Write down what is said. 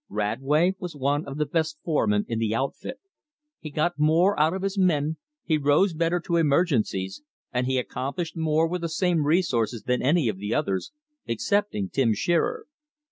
Radway was one of the best foremen in the outfit. He got more out of his men, he rose better to emergencies, and he accomplished more with the same resources than any of the others, excepting Tim Shearer.